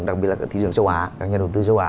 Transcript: đặc biệt là các thị trường sâu á các nhà đầu tư sâu á